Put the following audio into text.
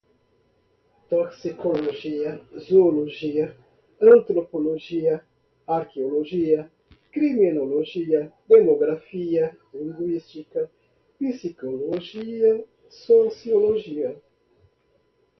toxicologia, zoologia, antropologia, arqueologia, criminologia, demografia, linguística, psicologia, sociologia